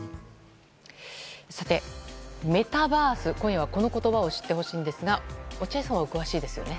メタバース今夜はこの言葉を知ってほしいんですが落合さんは詳しいですよね。